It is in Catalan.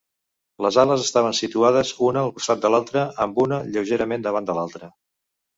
Les ales estaven situades una al costat de l'altra, amb una lleugerament davant de l'altra.